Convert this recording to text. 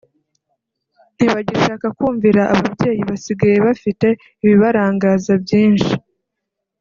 ntibagishaka kumvira ababyeyi basigaye bafite ibibarangaza byinshi